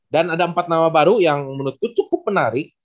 dan ada empat nama baru yang menurutku cukup menarik